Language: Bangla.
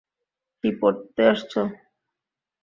কি পড়তে আসছো?